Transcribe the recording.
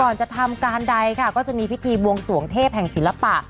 จะทำการใดค่ะก็จะมีพิธีบวงสวงเทพแห่งศิลปะ